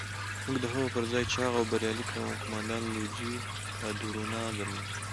موږ د هغه پر ځای چاغ او بریالی قوماندان لويجي کادورنا درلود.